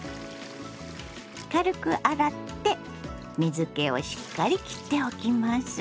軽く洗って水けをしっかりきっておきます。